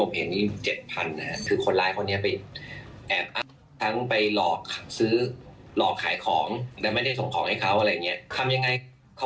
พรุ่งนี้ไปแจ้งความประมาณกี่โมงนะคะฟุ๊กคะ